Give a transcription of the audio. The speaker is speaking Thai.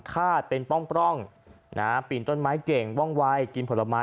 คาดเป็นป้องปร่องนะฮะปิ่นต้นไม้เก่งป้องไว้กินผลไม้